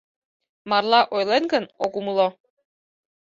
Марла ойлет гын, ок умыло.